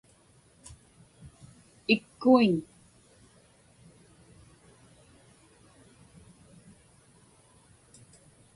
Ikkuiñ.